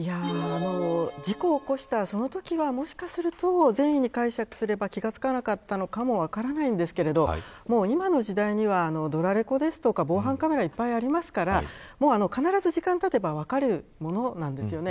事故を起こしたそのときはもしかすると善意に解釈すれば気がつかなかったのかも分からないんですけどもう今の時代にはドラレコですとか防犯カメラとかいっぱいありますから必ず時間がたてば分かるものなんですよね。